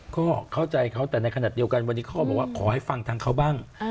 ก็เข้าใจเขาแต่ในขณะเดียวกันวันนี้เขาก็บอกว่าขอให้ฟังทางเขาบ้าง